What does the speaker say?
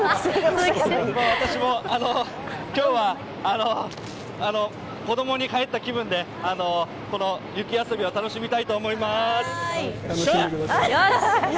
私も今日は子供に帰った気分で雪遊びを楽しみたいと思います。